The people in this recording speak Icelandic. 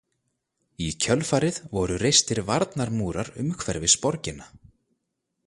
Í kjölfarið voru reistir varnarmúrar umhverfis borgina.